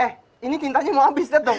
eh ini tintanya mau abis dad dong